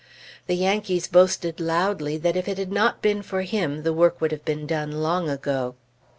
The Yankees boasted loudly that if it had not been for him, the work would have been done long ago.